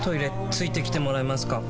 付いてきてもらえますか？